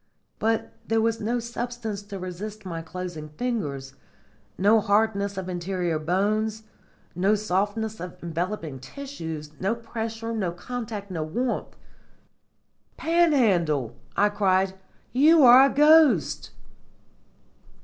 But there was no substance to resist my closing fingers, no hardness of interior bones, no softness of enveloping tissues, no pressure, no contact, no warmth. "Panhandle," I cried, "you are a ghost!"